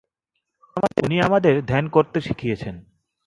উনি আমাদের ধ্যান করতে শিখিয়েছেন।